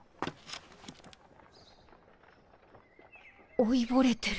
老いぼれてる。